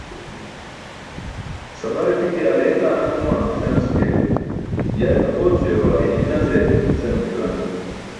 "sapare pʰiṭi̇ aar ayetaa naa mama" senas ke "yarne oocuyabaa ye ni nazee" senum juwan.